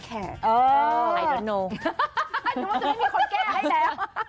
หนูนึกว่าจะไม่มีคนแก้ให้แล้ว